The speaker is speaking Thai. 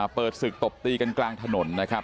เปิดศึกตบตีกันกลางถนนนะครับ